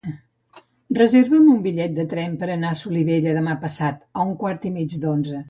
Reserva'm un bitllet de tren per anar a Solivella demà passat a un quart i mig d'onze.